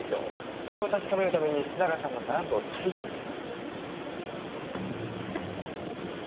それを確かめるために須永さんのダンスを再現した。